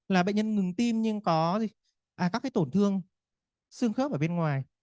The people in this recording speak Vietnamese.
là bệnh nhân ngừng tim nhưng có các tổn thương xương khớp ở bên ngoài